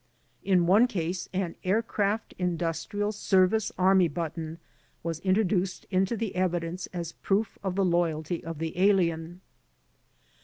In one case an "Aircraft Industrial Service" Army button was intro duced into the evidence as proof of the loyalty of the alien.